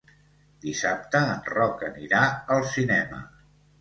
Dissabte en Roc anirà al cinema.